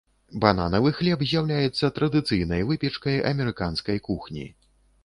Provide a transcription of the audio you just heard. Бананавы хлеб з'яўляецца традыцыйнай выпечкай амерыканскай кухні.